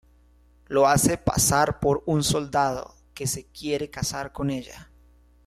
Lo hace pasar por un soldado que se quiere casar con ella.